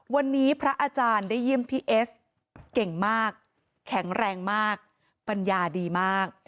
วันนี้พระอาจารย์ได้เยี่ยมพี่เอสเก่งมากแข็งแรงมากปัญญาดีมาก